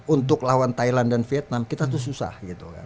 untuk lawan thailand dan vietnam kita tuh susah gitu kan